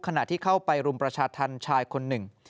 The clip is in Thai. ขณะที่เข้าไปรุมประชาธรรมชายคนหนึ่ง